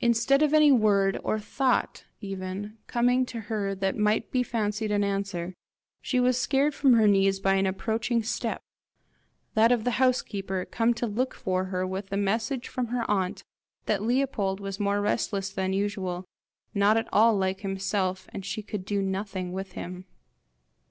Instead of any word, or thought even, coming to her that might be fancied an answer, she was scared from her knees by an approaching step that of the house keeper come to look for her with the message from her aunt that Leopold was more restless than usual, not at all like himself, and she could do nothing with him.